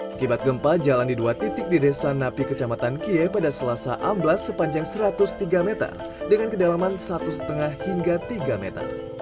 akibat gempa jalan di dua titik di desa napi kecamatan kie pada selasa amblas sepanjang satu ratus tiga meter dengan kedalaman satu lima hingga tiga meter